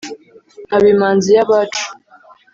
Nkaba imanzi y’ abacu.